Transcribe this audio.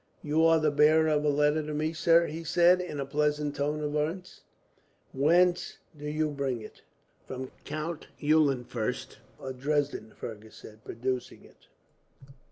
"You are the bearer of a letter to me, sir?" he said, in a pleasant tone of voice. "Whence do you bring it?" "From Count Eulenfurst of Dresden," Fergus said, producing it.